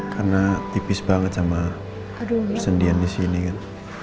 karena tipis banget sama persendian disini kan